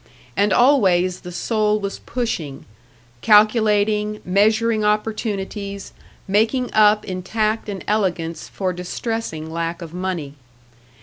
And always the soul was pushing; calculating, measuring opportunities, making up in tact and elegance for distressing lack of money.